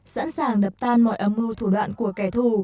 sẵn sàng đập tan mọi âm mưu thủ đoạn của kẻ thù